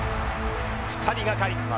２人がかり。